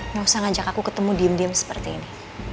nggak usah ngajak aku ketemu diem diem seperti ini